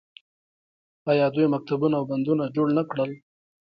آیا دوی مکتبونه او بندونه نه جوړ کړل؟